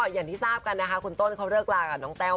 อย่างที่ทราบคุณต้นเค้าเลิกลากับน้องเต้า